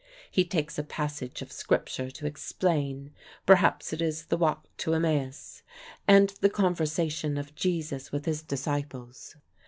He takes a passage of Scripture to explain; perhaps it is the walk to Emmaus, and the conversation of Jesus with his disciples.